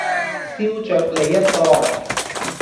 燒鵲脷一個